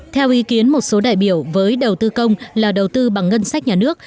theo ý kiến một số đại biểu với đầu tư công là đầu tư bằng ngân sách nhà nước